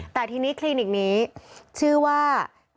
แต่ทีนี้คลินิกนี้ชื่อว่า